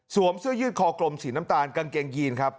เสื้อยืดคอกลมสีน้ำตาลกางเกงยีนครับ